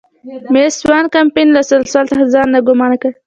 مېس وان کمپن له اصل سوال څخه ځان ناګومانه کړ.